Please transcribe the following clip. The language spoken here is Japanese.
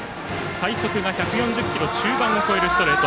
最速が１４０キロ中盤を超えるストレート。